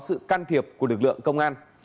sự can thiệp của lực lượng công an